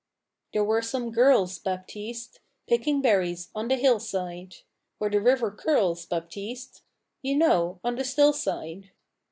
There were some girls, Baptiste, Picking berries on the hillside, Where the river curls, Baptiste, You know, on the still side.